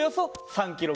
３キロ。